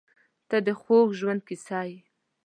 • ته د خوږ ژوند کیسه یې.